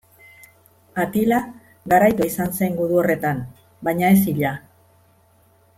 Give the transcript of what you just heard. Atila, garaitua izan zen gudu horretan, baina ez hila.